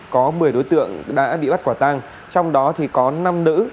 có một mươi đối tượng đã bị bắt quả tang trong đó thì có năm nữ